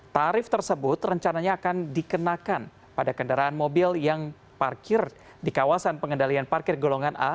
tarif tersebut rencananya akan dikenakan pada kendaraan mobil yang parkir di kawasan pengendalian parkir golongan a